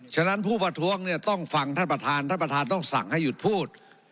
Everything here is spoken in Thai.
ฉะนั้นผู้ประท้วงเนี่ยต้องฟังท่านประธานท่านประธานต้องสั่งให้หยุดพูด